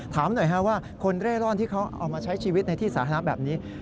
ถามหน่อยว่าคนเร่ร่อนที่เขาเอามาใช้ชีวิตในที่สาธารณะแบบนี้